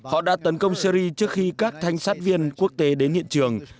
họ đã tấn công syri trước khi các thanh sát viên quốc tế đến hiện trường